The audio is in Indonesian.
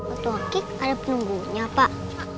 batu akik ada penunggunya pak